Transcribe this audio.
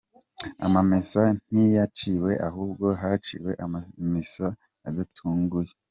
Amamesa ntiyaciwe ahubwo haciwe amamesa adatunganye